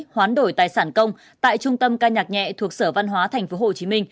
hoán đổi tài sản công tại trung tâm ca nhạc nhẹ thuộc sở văn hóa tp hcm